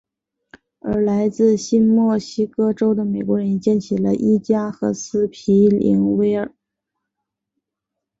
而来自新墨西哥州的美国人也建起了伊加和斯皮灵威尔。